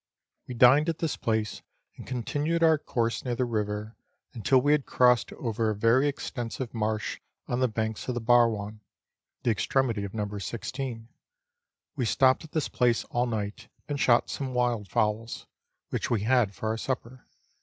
We dined at this place, and continued our course near the river, until we had crossed over a very extensive marsh on the banks of the Barwon, the extremity of No. 16. We stopped at this place all night, and shot some wildfowls, which we had for our supper.